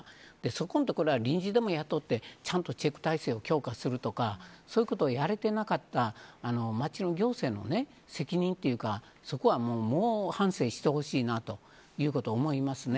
そこのところは臨時でも雇ってちゃんとチェック体制を強化するとかそういうことをやれてなかった町の行政の責任というか、そこは猛反省してほしいなということを思いますね。